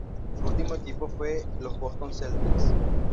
Su último equipo fue los Boston Celtics.